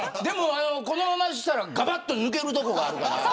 このまましたらがばっと抜けるところあるから。